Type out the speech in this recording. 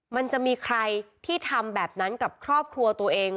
มันจะมีใครที่ทำแบบนั้นกับครอบครัวตัวเอง